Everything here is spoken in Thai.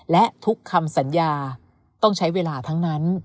และทุกคำสัญญาต้องใช้เวลาทั้งนั้น